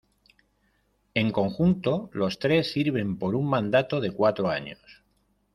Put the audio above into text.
En conjunto, los tres sirven por un mandato de cuatro años.